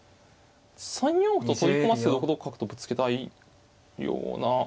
３四歩と取り込ませて６六角とぶつけたいような。